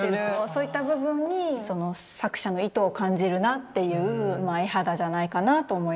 そういった部分にその作者の意図を感じるなっていう絵肌じゃないかなと思います。